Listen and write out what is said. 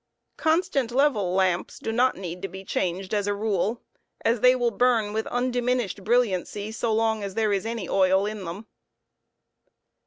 Constant level lamps do not need to be changed as a rule, as icy wilt burn with undiminished brilliancy so long as there is any oil in them.